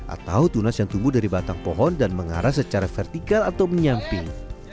atau tunas yang tumbuh dari batang pohon dan mengarah secara vertikal atau menyamping